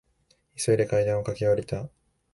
急いで階段を駆け下りた。